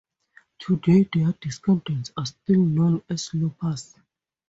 Today, their descendants are still known as 'sloopers'.